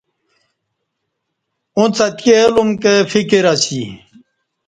اݩڅ اتکی الوم کہ پکیر اسی۔